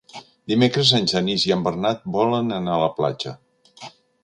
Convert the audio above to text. Dimecres en Genís i en Bernat volen anar a la platja.